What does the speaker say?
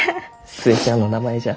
寿恵ちゃんの名前じゃ。